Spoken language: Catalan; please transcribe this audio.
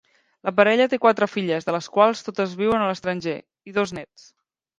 La parella té quatre filles, de les quals totes viuen a l'estranger, i dos nets.